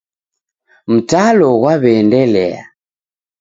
Mtalo ghwaw'eendelea.